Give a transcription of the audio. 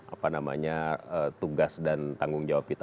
apa namanya tugas dan tanggung jawab kita